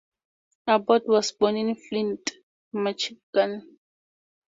Abbott was born in Flint, Michigan.